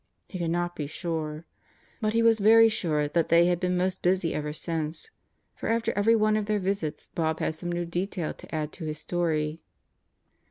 He could not be sure. But he was very sure that they had been most busy ever since; for after every one of their visits, Bob had some new detail to add to his story.